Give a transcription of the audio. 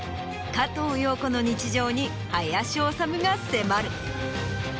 加藤庸子の日常に林修が迫る。